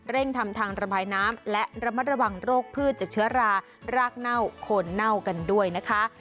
ทำทางระบายน้ำและระมัดระวังโรคพืชจากเชื้อรารากเน่าโคนเน่ากันด้วยนะคะ